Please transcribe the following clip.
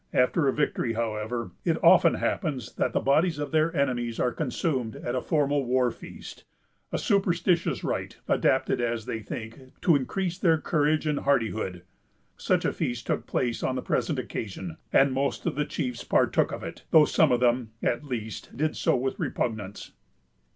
After a victory, however, it often happens that the bodies of their enemies are consumed at a formal war feast——a superstitious rite, adapted, as they think, to increase their courage and hardihood. Such a feast took place on the present occasion, and most of the chiefs partook of it, though some of them, at least, did so with repugnance.